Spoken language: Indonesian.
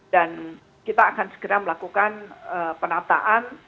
dan kita akan segera melakukan penataan